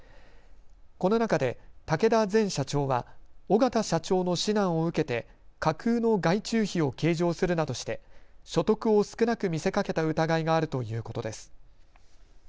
この中で竹田前社長は、小形社長の指南を受けて架空の外注費を計上するなどして所得を少なく見せかけた疑いがあるということです。